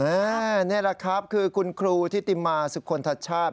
นี่แหละครับคือคุณครูทิติมาสุคลทัชชาติ